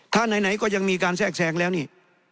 ถ้าไหนก็ยังมีการแทรกแทรงแล้วนี่